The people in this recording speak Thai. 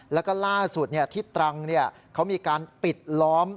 แล้วก็ล่าสุดที่ตรังเขามีการปิดล้อม